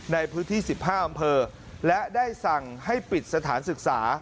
ในพื้นที่๑๕อำเภอและได้สั่งให้ปิดสถานศึกษา